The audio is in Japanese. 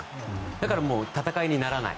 だからもう戦いにならない。